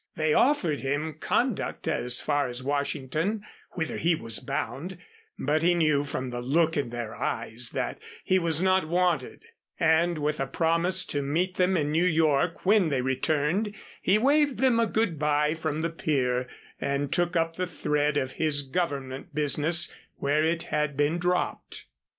They offered him conduct as far as Washington, whither he was bound, but he knew from the look in their eyes that he was not wanted, and with a promise to meet them in New York when they returned, he waved them a good by from the pier and took up the thread of his Government business where it had been dropped.